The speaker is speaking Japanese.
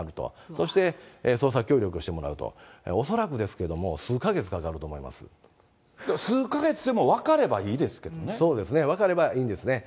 そして捜査協力してもらうと、恐らくですけども、数か月かかると数か月でも分かればいいですそうですね、分かればいいんですね。